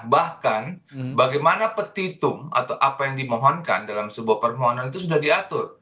bahkan bagaimana petitum atau apa yang dimohonkan dalam sebuah permohonan itu sudah diatur